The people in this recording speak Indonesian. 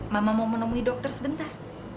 mama mau menemui dokter sebentar